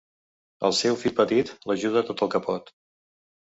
El seu fill petit l'ajuda tot el que pot.